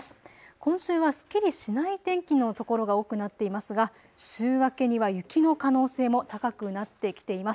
今週はすっきりしない天気の所が多くなっていますが週明けには雪の可能性も高くなってきています。